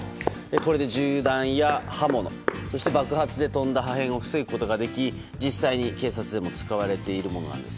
これで銃弾や刃物爆発で飛んだ破片を防ぐことができ実際に警察でも使われているものなんです。